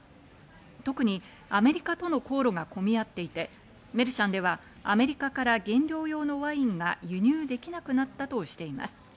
特にアメリカとの航路が混み合っていて、メルシャンではアメリカから原料用のワインが輸入できなくなったとしています。